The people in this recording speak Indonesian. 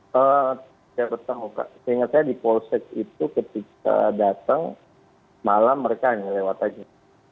saya bertemu kak saya ingat di polsek itu ketika datang malam mereka melewat aja